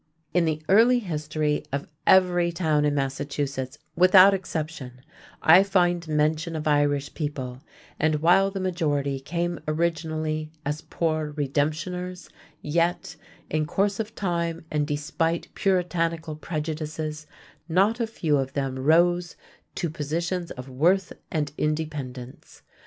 In the early history of every town in Massachusetts, without exception, I find mention of Irish people, and while the majority came originally as "poor redemptioners", yet, in course of time and despite Puritanical prejudices, not a few of them rose to positions of worth and independence.